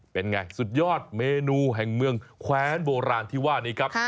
เป็นไงสุดยอดเมนูแห่งเมืองแคว้นโบราณที่ว่านี้ครับ